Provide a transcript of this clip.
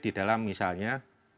di dalam misalnya